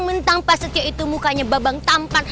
mau ikut asal perempuan itu yah